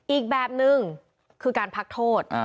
อีกแบบนึงคือการพักโทษ